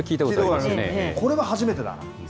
これは初めてだな。